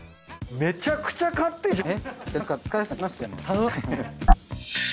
めちゃくちゃ買ってんじゃん。